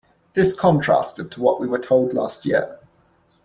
This contrasted to what we were told last year.